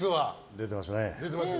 出てますね。